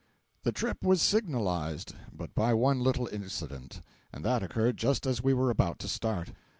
The trip was signalized but by one little incident, and that occurred just as we were about to start.